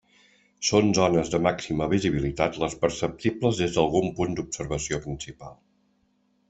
Són zones de màxima visibilitat les perceptibles des d'algun punt d'observació principal.